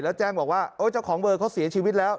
แล้วแจ้งบอกว่าโอ้เจ้าของเวอร์เขาเสียชีวิตแล้ว